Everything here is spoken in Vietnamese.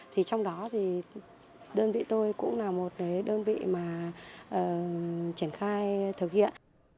thì trong đó thì đơn vị tôi cũng là một đơn vị mà triển khai thực hiện